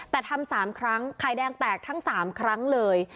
แต่ทำ๓ครั้งไข่แดงแตกทั้ง๓ครั้งเลย